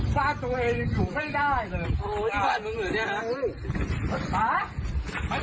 ฆ่าตัวเองยังอยู่ไม่ได้เลย